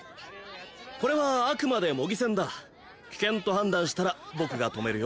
これはあくまで模擬戦だ危険と判断したら僕が止めるよ・